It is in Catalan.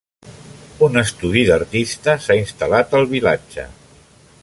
Un estudi d'artista s'ha instal·lat al vilatge.